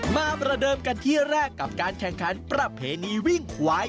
มาประเดิมกันที่แรกกับการแข่งขันประเพณีวิ่งควาย